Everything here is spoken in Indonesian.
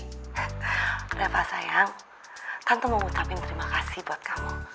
gapapa sayang tante mau ngucapin terima kasih buat kamu